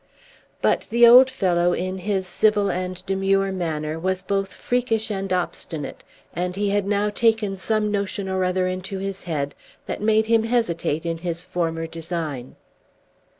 But the old fellow, in his civil and demure manner, was both freakish and obstinate; and he had now taken some notion or other into his head that made him hesitate in his former design.